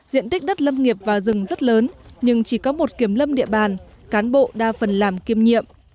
diện tích đất lâm nghiệp vào rừng rất lớn nhưng chỉ có một kiểm lâm địa bàn cán bộ đa phần làm kiêm nhiệm